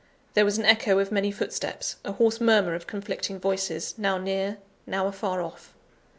There was an echo of many footsteps, a hoarse murmur of conflicting voices, now near, now afar off.